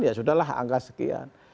ya sudah lah angka sekian